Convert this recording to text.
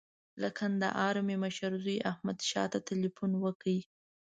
له کندهاره مې مشر زوی احمدشاه ته تیلفون وکړ.